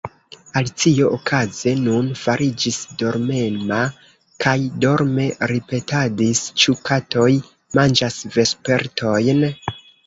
Alicio okaze nun fariĝis dormema, kaj dorme ripetadis:—"Ĉu katoj manĝas vespertojn? »